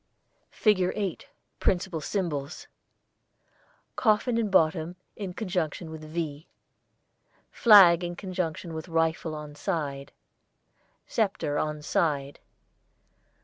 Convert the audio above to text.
[ILLUSTRATION 8] FIG. 8 Principal Symbols: Coffin in bottom, in conjunction with 'V.' Flag in conjunction with rifle on side. Sceptre on side.